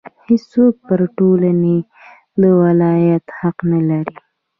هېڅوک پر ټولنې د ولایت حق نه لري.